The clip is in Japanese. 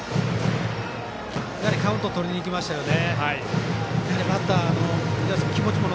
やはりカウントとりにいきましたよね。